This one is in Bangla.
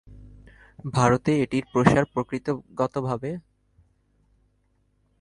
ভারতে এটির প্রসার প্রকৃতিগতভাবে ব্যাপক আকারে হয়েছে।